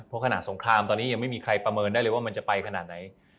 เพราะขนาดสงครามตอนนี้ยังไม่มีใครประเมินได้เลยว่ามันจะไปขนาดไหน